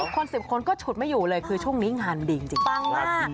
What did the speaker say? คน๑๐คนก็ฉุดไม่อยู่เลยคือช่วงนี้งานมันดีจริง